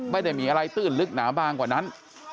ไม่ได้มีอะไรตื้นลึกหนาบางกว่านั้น